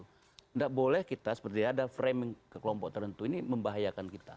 tidak boleh kita seperti ada framing ke kelompok tertentu ini membahayakan kita